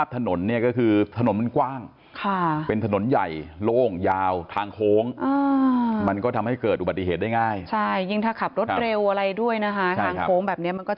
สวัสดีครับ